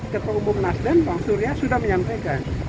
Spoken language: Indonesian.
keperhubung nasden bang surya sudah menyampaikan